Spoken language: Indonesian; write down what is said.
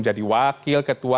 jadi kita berhenti